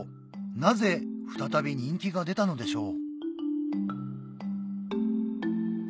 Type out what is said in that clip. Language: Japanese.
なぜ再び人気が出たのでしょう？